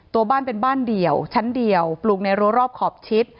ตัวบ้านเป็นบ้านเดี่ยวชั้นเดียวปลูกในรัวรอบขอบชิด